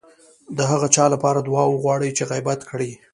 د هغه چا لپاره دعا وغواړئ چې غيبت کړی.